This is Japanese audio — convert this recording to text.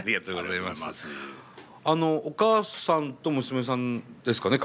お母さんと娘さんですかね？